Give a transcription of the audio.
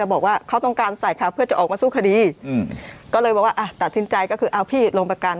บอกว่าเขาต้องการใส่เขาเพื่อจะออกมาสู้คดีอืมก็เลยบอกว่าอ่ะตัดสินใจก็คือเอาพี่ลงประกัน